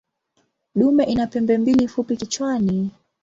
Dume ina pembe mbili fupi kichwani.